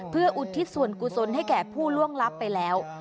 เพื่ออุทิศส่วนกุศลให้แก่ผู้ล่วงลับไปแล้ว